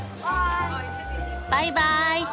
バイバーイ。